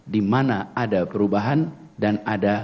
di mana ada perubahan dan ada